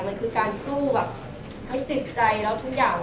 มันคือการสู้แบบทั้งจิตใจแล้วทุกอย่าง